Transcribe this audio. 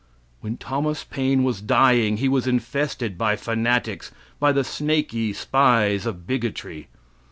When Thomas Paine was dying he was infested by fanatics, by the snaky spies of bigotry.